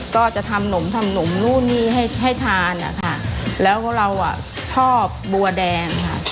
ก็จะทำหนมทำนมนู่นนี่ให้ให้ทานอ่ะค่ะแล้วเราอ่ะชอบบัวแดงค่ะ